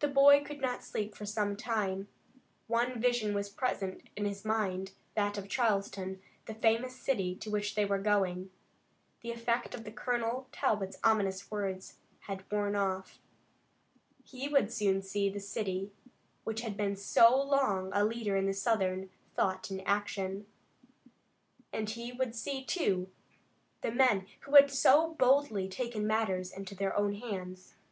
The boy could not sleep for some time. One vision was present in his mind, that of Charleston, the famous city to which they were going. The effect of Colonel Talbot's ominous words had worn off. He would soon see the city which had been so long a leader in Southern thought and action, and he would see, too, the men who had so boldly taken matters in their own hands.